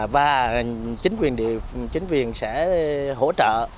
và chính quyền sẽ hỗ trợ